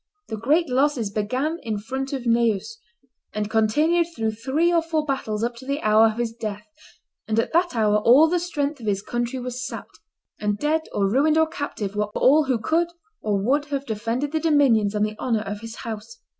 The great losses began in front of Neuss, and continued through three or four battles up to the hour of his death; and at that hour all the strength of his country was sapped; and dead, or ruined, or captive, were all who could or would have defended the dominions and the honor of his house.